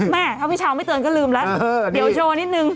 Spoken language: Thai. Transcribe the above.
แม่ถ้าพี่เช้าไม่เตือนก็ลืมแล้วเดี๋ยวโชว์นิดนึง